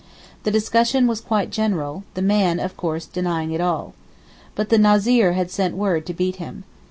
The discussion was quite general, the man, of course, denying all. But the Nazir had sent word to beat him.